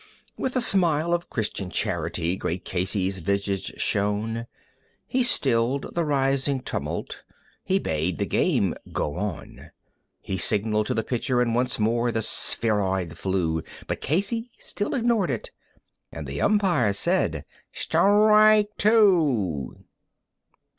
With a smile of Christian charity great Casey's visage shone; He stilled the rising tumult; he bade the game go on; He signaled to the pitcher, and once more the spheroid flew, But Casey still ignored it; and the umpire said, "Strike two."